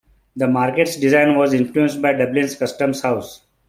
The market's design was influenced by Dublin's Customs House.